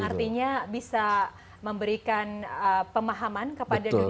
yang artinya bisa memberikan pemahaman kepada dunia luar